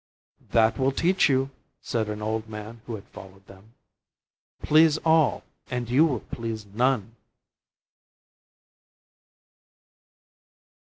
"That will teach you," said an old man who had followed them: "Please all, and you will please none."